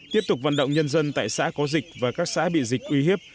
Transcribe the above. tiếp tục vận động nhân dân tại xã có dịch và các xã bị dịch uy hiếp